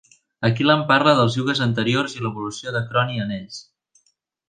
Akilam parla dels yugues anteriors i l'evolució de Kroni en ells.